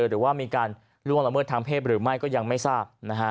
หรือว่ามีการล่วงละเมิดทางเพศหรือไม่ก็ยังไม่ทราบ